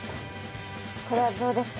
これはどうですか？